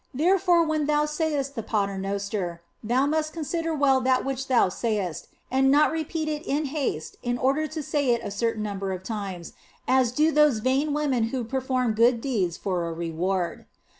Therefore when thou sayest the Paternoster, thou must consider well that which thou sayest, and not repeat it in haste in order to say it a certain number of times, as do those vain women who perform good deeds for a reward.